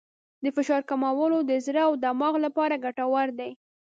د فشار کمول د زړه او دماغ لپاره ګټور دي.